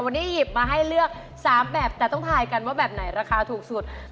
วันนี้หยิบมาให้เลือก๓แบบแต่ต้องทายกันว่าแบบไหนราคาถูกสุด